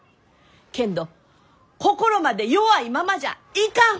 けんど心まで弱いままじゃいかん！